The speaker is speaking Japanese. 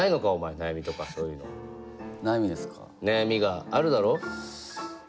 悩みがあるだろう？